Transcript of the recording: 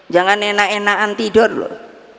jangan enak enakan tidur loh